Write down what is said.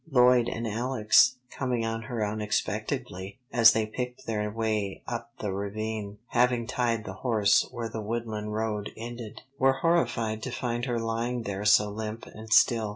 Lloyd and Alex, coming on her unexpectedly as they picked their way up the ravine, having tied the horse where the woodland road ended, were horrified to find her lying there so limp and still.